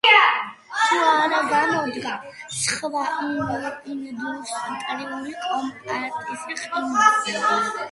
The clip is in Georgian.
თუ არ გამოდგა სხვა ინდუსტრიულ კომპანიებზე ყიდიან.